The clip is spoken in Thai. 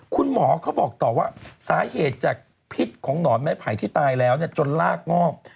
คุณหมอเขาบอกต่อว่าสาเหตุจากพิษของหนอนไม้ไผ่ที่ตายแล้วจนลากงอก